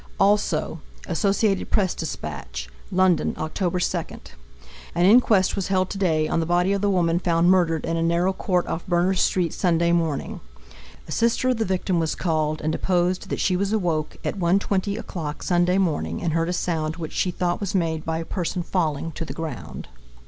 Associated Press Dispatch. London, Oct. 2. An inquest was held today on the body of the woman found murdered in a narrow court off Berners street Sunday morning. A sister of the victim was called, and deposed that she was awoke at 1:20 o'clock Sunday morning and heard a sound which she thought was made by a person falling to the ground.